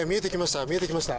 見えてきました。